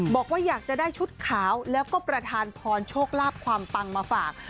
บอกว่าอยากจะได้ชุดขาวแล้วก็ประธานพรโชคลาภความปังมาฝาก